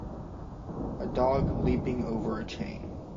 A dog leaping over a chain.